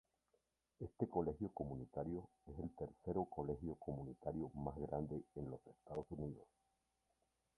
Este colegio comunitario es el tercero colegio comunitario más grande en los Estados Unidos.